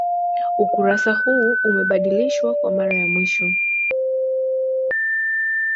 Ukurasa huu umebadilishwa kwa mara ya mwisho